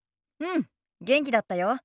うん元気だったよ。